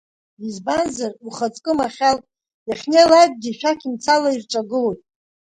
Избанзар, ухаҵкы Махьал, иахьнеилакгьы шәақь мцала ирҿагылоит.